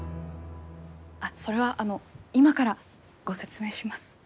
あっそれはあの今からご説明します。